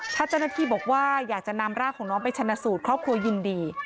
ถ้าเจ้าหน้าที่บอกว่าอยากจะนำร่างของน้องไปชนะสูตรครอบครัวยินดี